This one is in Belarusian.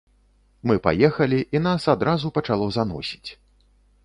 Мы паехалі, і нас адразу пачало заносіць.